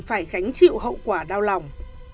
phải khánh chịu hậu quả đau lòng